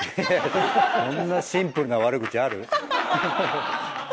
こんなシンプルな悪口ある？